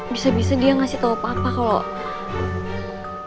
bisa bisa dia ngasih tahu papa kalau